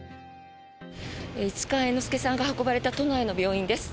市川猿之助さんが運ばれた都内の病院です。